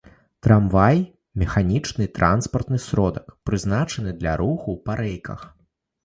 Трамвай — механічны транспартны сродак, прызначаны для руху па рэйках